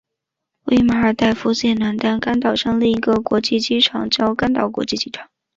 位于马尔代夫最南端甘岛上另一个国际机场叫甘岛国际机场。